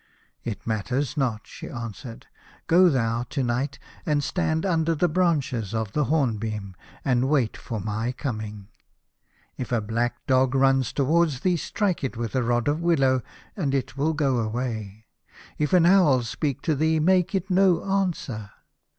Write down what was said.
" It matters not," she answered. " Go thou to night, and stand under the branches of the hornbeam, and wait for my coming. If a black dog run towards thee, strike it with a rod of willow, and it will go away. If an owl speak to thee, make it no answer.